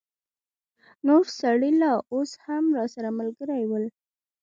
نور سړي لا اوس هم راسره ملګري ول.